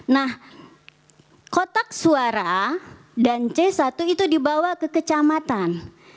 nah kotak suara dan c satu itu dibawa ke kecamatan